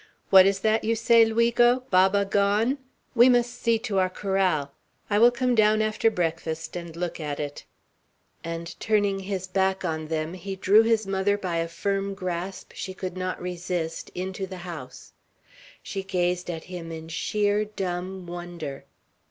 What is that you say, Luigo? Baba gone? We must see to our corral. I will come down, after breakfast, and look at it;" and turning his back on them, he drew his mother by a firm grasp, she could not resist, into the house. She gazed at him in sheer, dumb wonder.